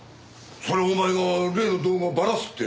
それはお前が例の動画をばらすって。